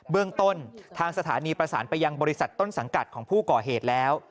เรื่องต้นทางสถานีประสานไปยังบริษัทต้นสังกัดของผู้ก่อเหตุแล้ว